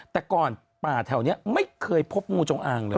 แต่ก่อนป่าแถวนี้ไม่เคยพบงูจงอางเลย